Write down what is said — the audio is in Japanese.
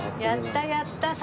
やったやった。